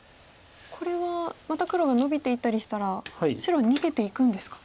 これはまた黒がノビていったりしたら白は逃げていくんですか？